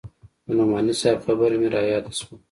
د نعماني صاحب خبره مې راياده سوه.